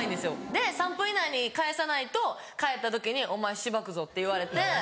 で３分以内に返さないと帰った時に「お前しばくぞ」って言われて。